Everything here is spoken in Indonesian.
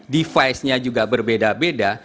device nya juga berbeda beda